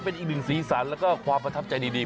เป็นอีกหนึ่งสีสันแล้วก็ความประทับใจดี